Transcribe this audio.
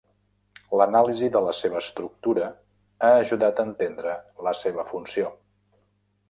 L'anàlisi de la selva estructura ha ajudat a entendre la seva funció.